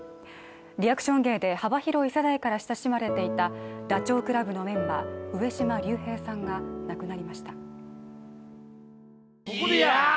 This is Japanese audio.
リアクション芸で幅広い世代から親しまれていたダチョウ倶楽部のメンバー上島竜兵さんが亡くなりました。